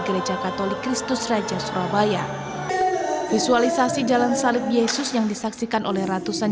gereja katolik kristus raja surabaya visualisasi jalan salib yesus yang disaksikan oleh ratusan